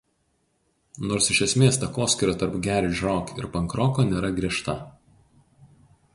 Nors iš esmės takoskyra tarp "garage rock" ir pankroko nėra griežta.